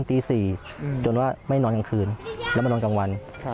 ตี๔จนว่าไม่นอนกลางคืนแล้วมานอนกลางวัน